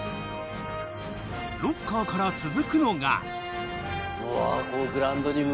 ロッカーから続くのがうわ。